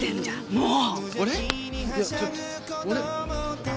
もう。